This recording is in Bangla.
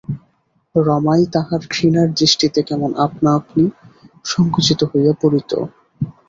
রমাই তাহার ঘৃণার দৃষ্টিতে কেমন আপনাআপনি সঙ্কুচিত হইয়া পড়িত।